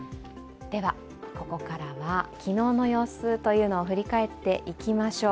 ここからは昨日の様子というのを振り返っていきましょう。